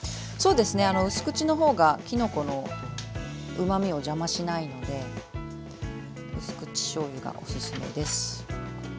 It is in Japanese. うす口の方がきのこのうまみを邪魔しないのでうす口しょうゆがおすすめです。